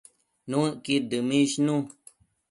Nuëcqud dëmishnu